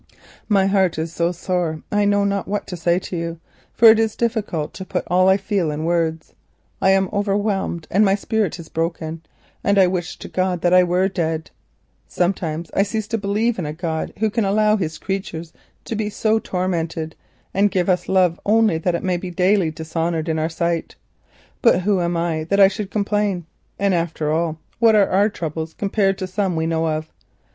My heart is so sore I know not what to say to you, for it is difficult to put all I feel in words. I am overwhelmed, my spirit is broken, and I wish to heaven that I were dead. Sometimes I almost cease to believe in a God who can allow His creatures to be so tormented and give us love only that it may be daily dishonoured in our sight; but who am I that I should complain, and after all what are our troubles compared to some we know of?